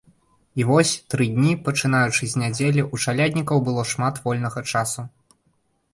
І вось, тры дні, пачынаючы з нядзелі, у чаляднікаў было шмат вольнага часу.